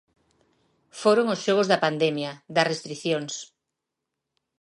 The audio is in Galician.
Foron os xogos da pandemia, das restricións.